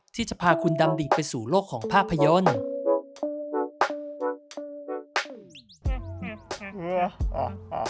ที่จะพาคุณดำดิ่งไปสู่โลกของภาพยนตร์